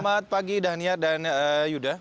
baik selamat pagi dania dan yuda